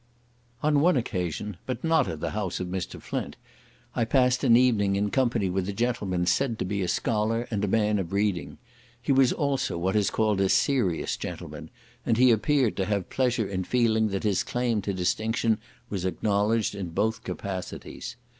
On one occasion, but not at the house of Mr. Flint, I passed an evening in company with a gentleman said to be a scholar and a man of reading; he was also what is called a serious gentleman, and he appeared to have pleasure in feeling that his claim to distinction was acknowledged in both capacities.